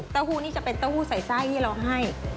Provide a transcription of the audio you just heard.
หู้นี่จะเป็นเต้าหู้ใส่ไส้ที่เราให้